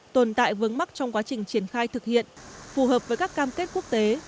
tồn tại vướng mắc trong quá trình triển khai thực hiện phù hợp với các cam kết quốc tế